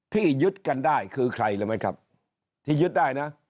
ที่ยึดกันได้คือใครรู้ไหมครับที่ยึดได้นะ